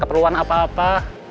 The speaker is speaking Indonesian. atau per cocok atau sebagainya